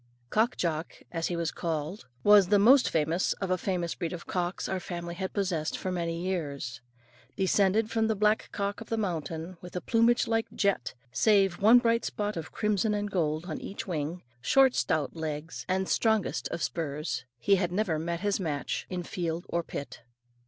Cock Jock, as he was called, was the most famous of a famous breed of cocks, our family had possessed for many years. Descended from the black cock of the mountain, with plumage like jet, save one bright spot of crimson and gold on each wing, short stout legs, and strongest of spurs, he had never met his match in field or pit.